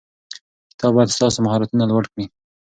کتاب باید ستاسو مهارتونه لوړ کړي.